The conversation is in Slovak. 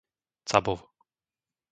Cabov